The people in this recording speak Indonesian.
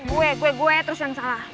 gue gue gue terus yang salah